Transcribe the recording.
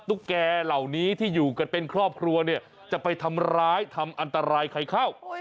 ตุ๊กแก่เหล่านี้ที่อยู่กันเป็นครอบครัวเนี่ยจะไปทำร้ายทำอันตรายใครเข้า